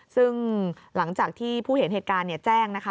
ซึ่งหลังจากที่ผู้เห็นเหตุการณ์แจ้งนะคะ